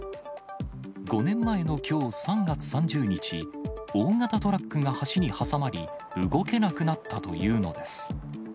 ５年前のきょう３月３０日、大型トラックが橋に挟まり、動けなくなったというのです。